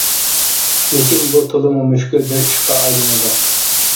لېكىن، بۇ تولىمۇ مۈشكۈل بىر ئىشقا ئايلىنىدۇ.